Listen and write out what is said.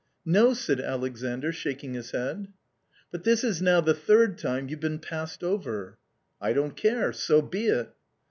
" No," said Alexandr, shaking his head. u But this is now the third time you've been passed over." " I don't care ; so be it."